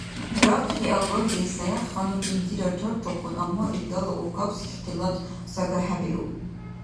РахъхӀиагарли Саятханум гӀинзирад чаррухъун, амма илдала ургабси ихтилат сагахӀебиуб.